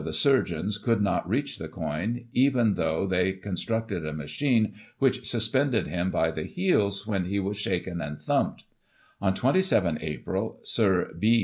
[1843 the surgeons could not reach the coin, even though they constructed a machine which suspended him by the heels, when he was shaken and thumped On 27 April Sir B.